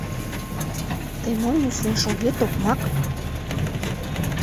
— Тый мом нюслен шогет, окмак?